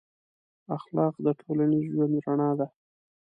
اخلاق د ټولنیز ژوند رڼا ده.